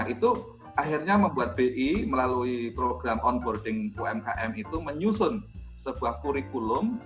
itu akhirnya membuat bi melalui program onboarding umkm itu menyusun sebuah kurikulum